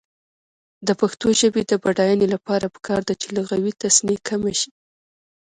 د پښتو ژبې د بډاینې لپاره پکار ده چې لغوي تصنع کم شي.